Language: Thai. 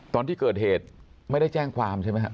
ตอนที่เกิดเหตุไม่ได้แจ้งความใช่ไหมครับ